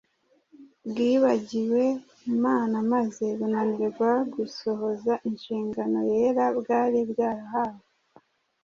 Bwibagiwe Imana maze bunanirwa gusohoza inshingano yera bwari bwarahawe.